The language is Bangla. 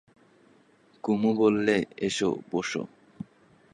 কুমু বললে, এসো, বোসো।